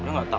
lo gak tau